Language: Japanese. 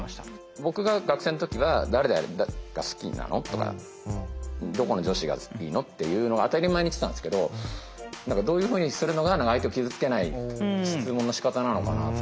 僕が学生の時は「誰々が好きなの？」とか「どこの女子がいいの？」っていうのを当たり前に言ってたんですけどどういうふうにするのが相手を傷つけない質問のしかたなのかな。